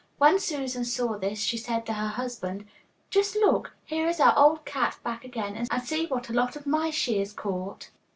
When Susan saw this she said to her husband, 'Just look, here is our old cat back again, and see what a lot of mice she has caught.